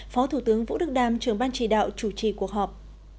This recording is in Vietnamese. phó thủ tướng vũ đức đam trưởng ban chỉ đạo chủ trì cuộc họp